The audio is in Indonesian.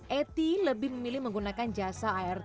eti lebih memilih menggunakan jasa art